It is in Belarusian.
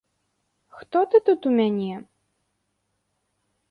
Хто ты тут у мяне?